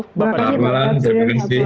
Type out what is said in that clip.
selamat malam terima kasih